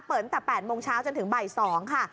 ตั้งแต่๘โมงเช้าจนถึงบ่าย๒ค่ะ